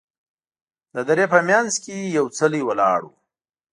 د درې په منځ کې یې یو څلی ولاړ و.